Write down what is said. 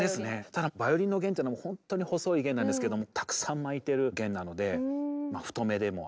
ただバイオリンの弦というのもほんとに細い弦なんですけどもたくさん巻いてる弦なので太めでもありますね。